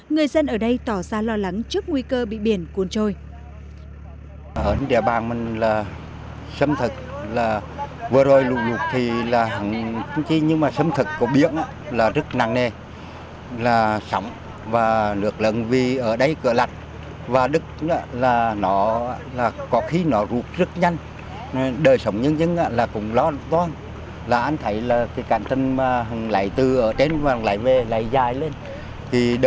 người dân ở đây tỏ ra lo lắng trước nguy cơ bị biển cuốn trôi